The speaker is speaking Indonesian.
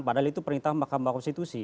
padahal itu perintah mahkamah konstitusi